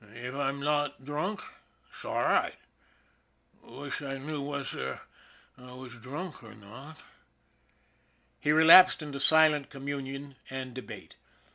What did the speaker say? If I'm not drunk s'all right. Wish I knew wesser I'm drunk or not." He relapsed into silent communion and debate.